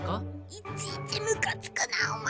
いちいちむかつくなお前！